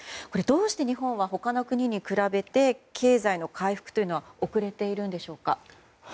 どうして、日本は他の国に比べて経済の回復というのは遅れているんでしょうか。